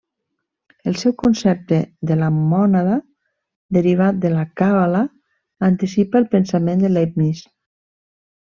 El seu concepte de la mònada, derivat de la càbala, anticipa el pensament de Leibniz.